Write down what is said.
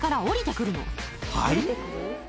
はい？